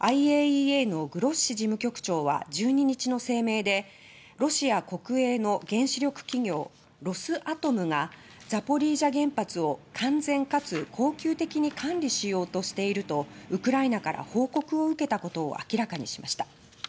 ＩＡＥＡのグロッシ事務局長は１２日の声明でロシア国営の原子力企業ロスアトムがザポリージャ原発を完全かつ恒久的に管理しようとしているとウクライナから報告を受けたことを明らかにしました。